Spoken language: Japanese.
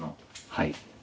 はい。